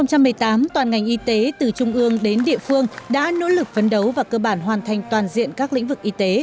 năm hai nghìn một mươi tám toàn ngành y tế từ trung ương đến địa phương đã nỗ lực vấn đấu và cơ bản hoàn thành toàn diện các lĩnh vực y tế